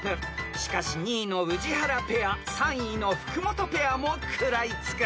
［しかし２位の宇治原ペア３位の福本ペアも食らいつく］